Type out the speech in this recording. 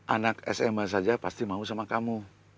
anak sma saja pasti mau sama kamu